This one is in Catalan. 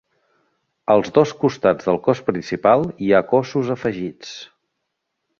Als dos costats del cos principal hi ha cossos afegits.